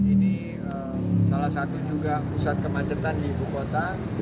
ini salah satu juga pusat kemacetan di ibu kota